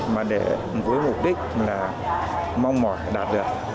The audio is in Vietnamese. mà với mục đích là mong mỏi đạt được